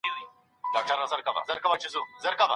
د دولتونو ترمنځ د خبرو اترو کلتور باید پیاوړی سي.